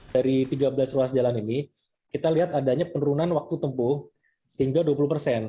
dari tiga belas ruas jalan ini kita lihat adanya penurunan waktu tempuh hingga dua puluh persen